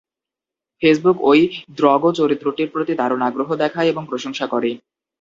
Facebook ওই Drogo চরিত্রটির প্রতি দারুণ আগ্রহ দেখায় এবং প্রশংসা করে।